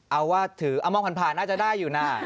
เอาว่าถือเอามองผ่านน่าจะได้อยู่นะ